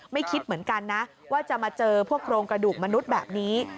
คิดเหมือนกันนะว่าจะมาเจอพวกโครงกระดูกมนุษย์แบบนี้